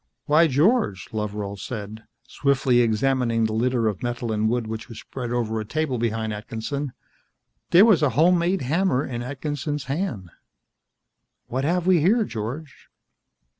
"Why, George," Loveral said, swiftly examining the litter of metal and wood which was spread over a table behind Atkinson. There was a home made hammer in Atkinson's hand. "What have we here, George?"